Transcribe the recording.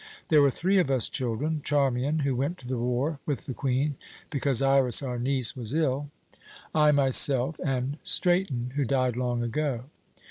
There were three of us children Charmian, who went to the war with the Queen, because Iras, our niece, was ill; I myself; and Straton, who died long ago.